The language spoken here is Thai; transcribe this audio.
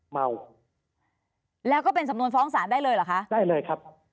เมาแล้วก็เป็นสำนวนฟ้องสารได้เลยเหรอคะ